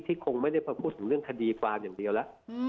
ที่คงไม่ได้พูดถึงเรื่องคดีฝามอย่างเดียวล่ะ